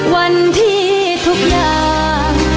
วันที่ทุกอย่าง